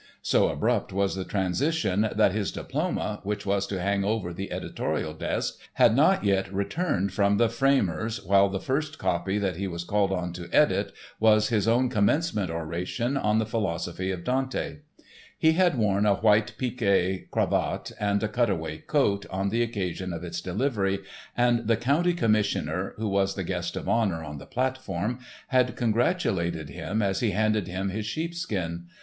So abrupt was the transition that his diploma, which was to hang over the editorial desk, had not yet returned from the framer's, while the first copy that he was called on to edit was his own commencement oration on the philosophy of Dante. He had worn a white pique cravat and a cutaway coat on the occasion of its delivery, and the county commissioner, who was the guest of honour on the platform, had congratulated him as he handed him his sheepskin.